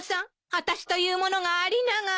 あたしという者がありながら。